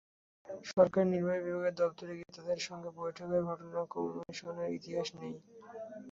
সরকারের নির্বাহী বিভাগের দপ্তরে গিয়ে তাদের সঙ্গে বৈঠকের ঘটনা কমিশনের ইতিহাসে নেই।